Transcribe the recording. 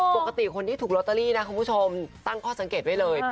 ปกติคนที่ถูกลอตเตอรี่นะคุณผู้ชมตั้งข้อสังเกตไว้เลย